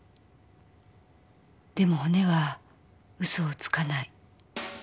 でも骨は嘘をつかない。